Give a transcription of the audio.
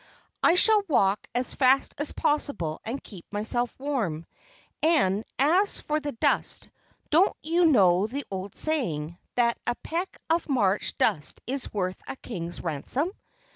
"I shall walk as fast as possible and keep myself warm; and as for the dust, don't you know the old saying, that 'a peck of March dust is worth a king's ransom'?"